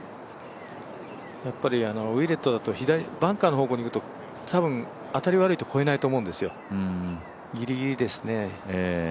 やっぱりウィレットだとバンカーの方向だと多分当たり悪いと、越えないと思うんですよ、ギリギリですね。